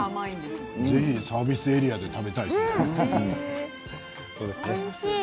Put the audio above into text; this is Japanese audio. サービスエリアで食べたいですね。